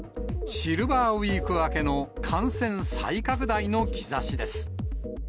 シルバーウィーク明けの感染再拡大の兆しです。